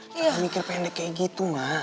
kalo mikir pendek kayak gitu ma